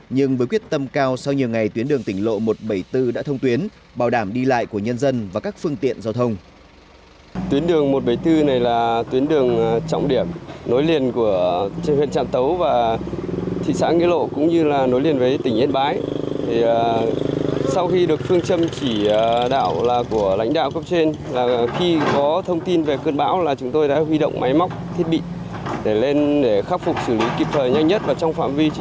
nhưng với quyết tâm cao sau nhiều ngày tuyến đường tỉnh lộ một trăm bảy mươi bốn đã thông tuyến bảo đảm đi lại của nhân dân và các phương tiện giao thông